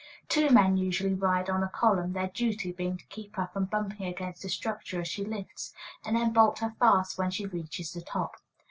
Two men usually ride on a column, their duty being to keep her from bumping against the structure as she lifts, and then bolt her fast when she reaches the top.